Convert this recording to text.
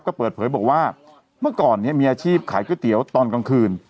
ก็เปิดเผยบอกว่าเมื่อก่อนเนี่ยมีอาชีพขายก๋วยเตี๋ยวตอนกลางคืน